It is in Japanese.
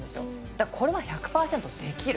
だからこれは１００パーセントできる。